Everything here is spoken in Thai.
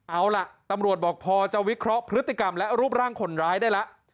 เอาล่ะตำรวจบอกพอจะวิเคราะห์พฤติกรรมและรูปร่างคนร้ายได้แล้ว